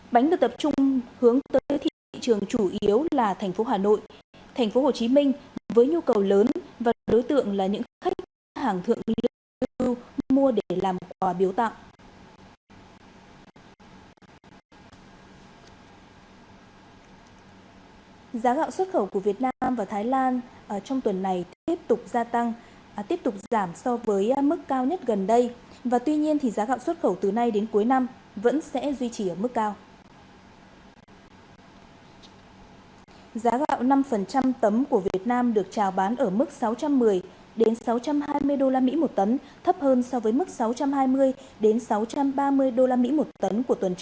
bánh được tập trung hướng tới thị trường chủ yếu là thành phố hà nội thành phố hồ chí minh với nhu cầu lớn và đối tượng là những khách hàng thượng liên hợp trung thu mua để làm quán